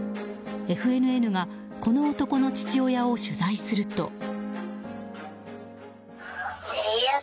ＦＮＮがこの男の父親を取材すると。